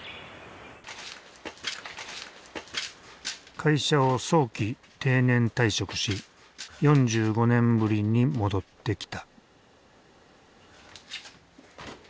会社を早期定年退職し４５年ぶりに戻ってきた。